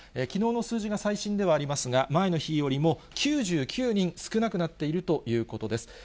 きのうの数字が最新ではありますが、前の日よりも９９人少なくなっているということです。